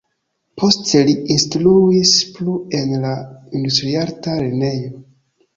Poste li instruis plu en la Industriarta Lernejo.